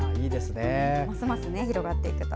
ますます広がっていくと。